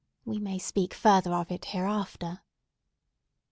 We may speak further of it hereafter.